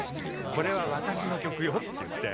これは私の曲よって言って。